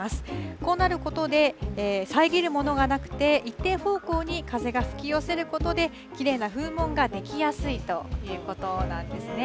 こうなることで遮るものがなくて一定方向に風が吹き寄せることできれいな風紋が出来やすいということなんですね。